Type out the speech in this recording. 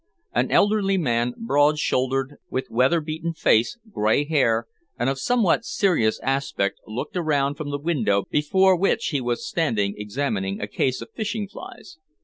An elderly man, broad shouldered, with weather beaten face, grey hair, and of somewhat serious aspect, looked around from the window before which he was standing examining a case of fishing flies.